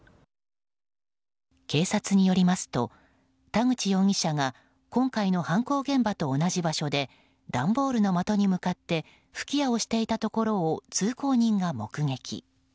警察によりますと田口容疑者が今回の犯行現場と同じ場所で段ボールの的に向かって吹き矢をしていたところを通行人が目撃。